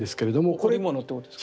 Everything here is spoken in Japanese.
織物ってことですか？